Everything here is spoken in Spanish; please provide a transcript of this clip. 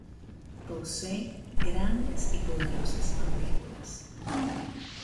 Posee grandes y poderosas mandíbulas.